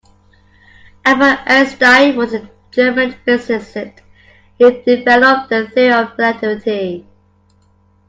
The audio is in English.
Albert Einstein was a German physicist who developed the Theory of Relativity.